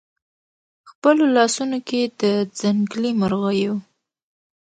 خپلو لاسونو کې د ځنګلي مرغیو